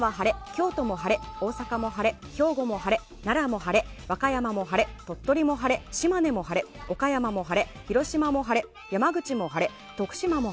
京都も晴れ、大阪も晴れ兵庫も晴れ奈良も晴れ、和歌山も晴れ鳥取も晴れ島根も晴れ、岡山も晴れ広島も晴れ、山口も晴れ徳島も